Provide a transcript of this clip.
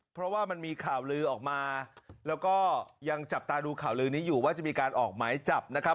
เพราะว่ามันมีข่าวลือออกมาแล้วก็ยังจับตาดูข่าวลือนี้อยู่ว่าจะมีการออกหมายจับนะครับ